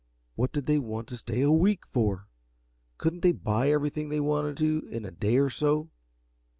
What did they want to stay a week for? Couldn't they buy everything they wanted in a day or so?